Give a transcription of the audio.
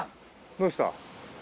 どうした。